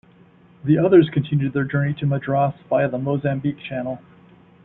The others continued their journey to Madras via the Mozambique Channel.